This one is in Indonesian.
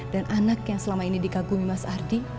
dan anak yang selama ini dikagumi mas ardi